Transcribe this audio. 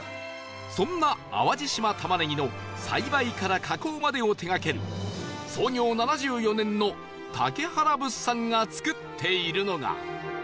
そんな淡路島玉ねぎの栽培から加工までを手がける創業７４年の竹原物産が作っているのが